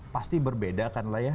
pasti berbeda kan lah ya